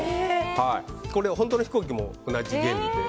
これは本当の飛行機も同じ原理で。